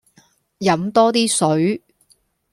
飲多啲水